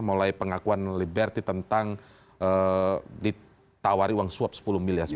mulai pengakuan liberti tentang ditawari uang suap sepuluh miliar